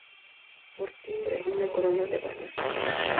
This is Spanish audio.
Por timbre una corona de barón.